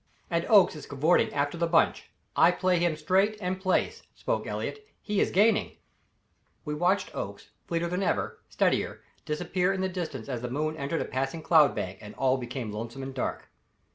"And Oakes is cavorting after the bunch I play him straight and place," spoke Elliott; "he is gaining." We watched Oakes, fleeter than ever, steadier, disappear in the distance as the moon entered a passing cloud bank and all became lonesome and dark.